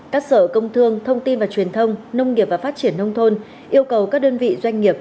các sở công thương thông tin và truyền thông nông nghiệp và phát triển nông thôn yêu cầu các đơn vị doanh nghiệp